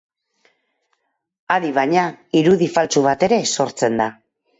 Adi baina, irudi faltsu bat ere sortzen da.